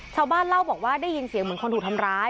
ชาวบ้านเล่าบอกว่าได้ยินเสียงเหมือนคนถูกทำร้าย